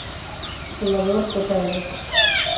Volador, Jr.